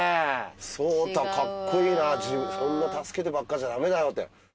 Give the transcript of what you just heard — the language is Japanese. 颯太かっこいいなそんな助けてばっかじゃダメだよって。